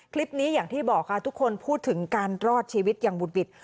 คลิปนี้อย่างที่บอกค่ะทุกคนพูดถึงการรอดชีวิตอย่างบุดบิด